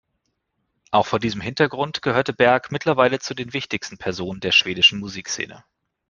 Auch vor diesem Hintergrund gehört Berg mittlerweile zu den wichtigsten Personen der schwedischen Musikszene.